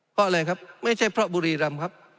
เพราะอะไรครับไม่ใช่เพราะบุรีรำครับ